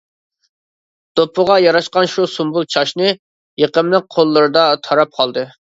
دوپپىغا ياراشقان شۇ سۇمبۇل چاچنى، يېقىملىق قوللىرىدا تاراپ قالدى.